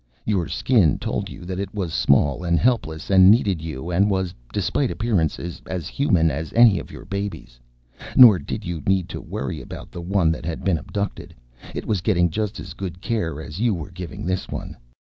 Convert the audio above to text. Your Skin told you that it was small and helpless and needed you and was, despite appearances, as Human as any of your babies. Nor did you need to worry about the one that had been abducted. It was getting just as good care as you were giving this one.